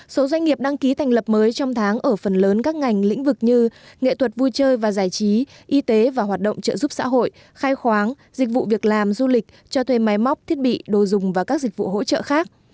số doanh nghiệp đăng ký thành lập mới trong tháng ở phần lớn các ngành lĩnh vực như nghệ thuật vui chơi và giải trí y tế và hoạt động trợ giúp xã hội khai khoáng dịch vụ việc làm du lịch cho thuê máy móc thiết bị đồ dùng và các dịch vụ hỗ trợ khác